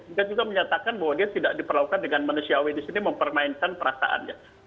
dia juga menyatakan bahwa dia tidak diperlakukan dengan manusiawi di sini mempermainkan perasaannya